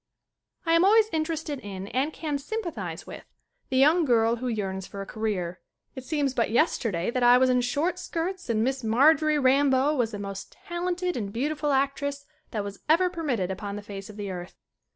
I am always interested in and can sympa thize with the young girl who yearns for a career. It seems but yesterday that I was in short skirts and Miss Marjorie Rambeau was the most talented and beautiful actress that was ever permitted upon the face of the earth.